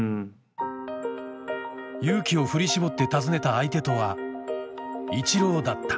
勇気を振り絞って訪ねた相手とはイチローだった。